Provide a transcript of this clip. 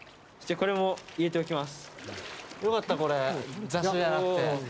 これも入れておきます。